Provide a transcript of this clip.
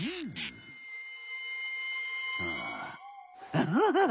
あアハハハ。